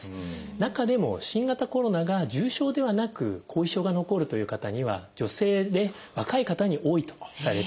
中でも新型コロナが重症ではなく後遺症が残るという方には女性で若い方に多いとされています。